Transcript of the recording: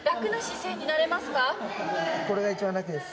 これが一番楽です。